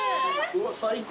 うわ最高。